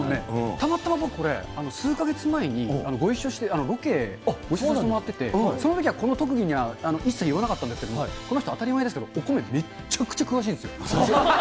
たまたま僕これ、数か月前にご一緒して、ロケ、ご一緒させてもらってて、そのときはこの特技には言わなかったんですけど、この人、当たり前ですけど、お米、めちゃくちゃ詳しいんですよ。